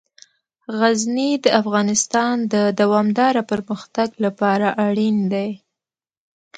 غزني د افغانستان د دوامداره پرمختګ لپاره اړین دي.